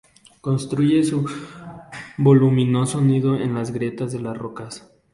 Construye su voluminoso nido en las grietas de las rocas.